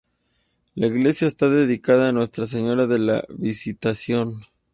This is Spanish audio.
La iglesia está dedicada a Nuestra Señora de la Visitación.